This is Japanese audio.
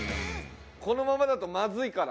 このままだとまずいから。